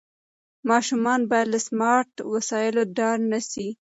ماشومان باید له سمارټ وسایلو ډار نه سي.